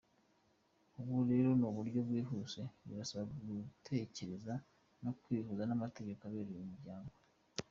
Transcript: Ubu rero mu buryo bwihuse birasaba gutekereza no kubihuza n’amategeko abereye umuryango.